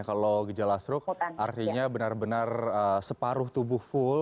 kalau gejala stroke artinya benar benar separuh tubuh full